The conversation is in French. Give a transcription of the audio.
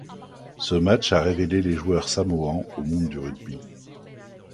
Ce match a révélé les joueurs samoans au monde du rugby.